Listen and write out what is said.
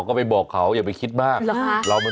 ก็ขนเขินอย่างนี้แหละ